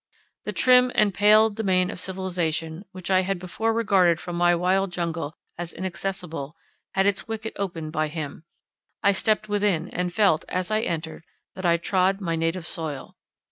The trim and paled demesne of civilization, which I had before regarded from my wild jungle as inaccessible, had its wicket opened by him; I stepped within, and felt, as I entered, that I trod my native soil.